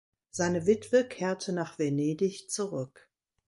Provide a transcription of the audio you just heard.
Seine Witwe kehrte nach Venedig zurück.